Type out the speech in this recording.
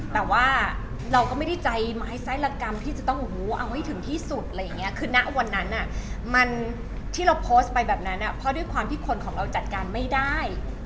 แต่ว่าเราก็ไม่ได้ใจไม้ไส้ละกรรมที่จะต้องเอาให้ถึงที่สุดอะไรอย่างเงี้ยคือณวันนั้นอ่ะมันที่เราโพสต์ไปแบบนั้นเพราะด้วยความที่คนของเราจัดการไม่ได้